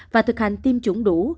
và thực hành tiêm chủng đủ